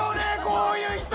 こういう人！